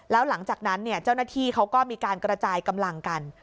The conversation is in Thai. แล้วหลังจากนั้นเจ้าหน้าที่เขาก็มีการกระจายกำลังกัน